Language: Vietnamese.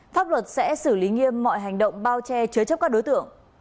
pháp luật sẽ xử lý nghiêm mọi hành động bao che chứa chấp các đối tượng